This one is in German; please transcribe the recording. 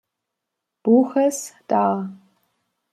Buches dar.